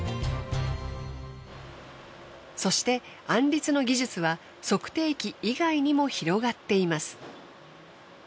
そしてアンリツの技術は測定器以外にも広がっています。